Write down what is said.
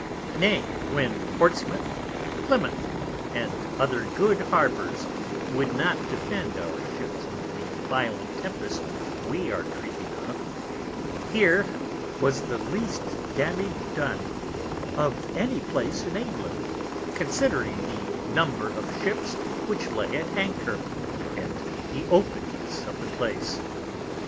Nay, when Portsmouth, Plymouth, and other good Harbours would not defend our Ships in the Violent Tempest we are treating of, here was the least Damage done of any Place in England, considering the Number of Ships which lay at Anchor, and the Openness of the Place.